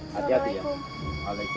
kamu jaga pak timba baik baik ya